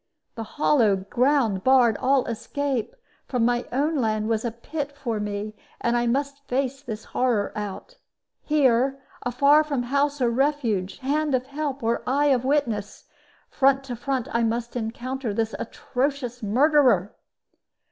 The hollow ground barred all escape; my own land was a pit for me, and I must face this horror out. Here, afar from house or refuge, hand of help, or eye of witness, front to front I must encounter this atrocious murderer.